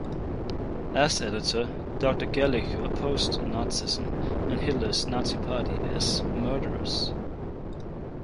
As editor, Doctor Gerlich opposed Nazism and Hitler's Nazi Party as "murderous".